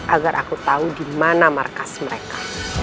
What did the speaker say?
agar aku tahu dimana markas mereka